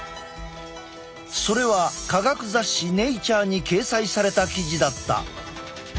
それは科学雑誌「ｎａｔｕｒｅ」に掲載された記事だった。